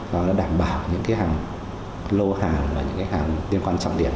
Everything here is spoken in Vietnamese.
nó đảm bảo những hàng lô hàng và những hàng liên quan trọng điểm